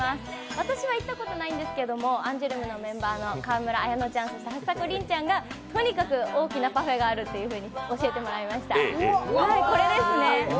私は行ったことないんですけども、アンジュルムのメンバーの川村文乃ちゃん、そして橋迫鈴ちゃんが行ってとにかく大きなパフェがあるって教えてもらいました。